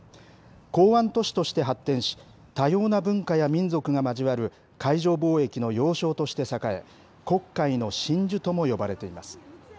港湾都市として発展し、多様な文化や民族が交わる海上貿易の要衝として栄え、黒海の真珠とも呼ばれています。